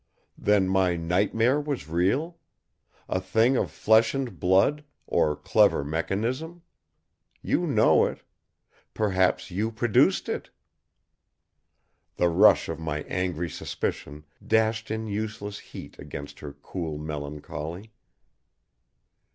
"Then my nightmare was real? A thing of flesh and blood, or clever mechanism? You know it. Perhaps you produced it?" The rush of my angry suspicion dashed in useless heat against her cool melancholy.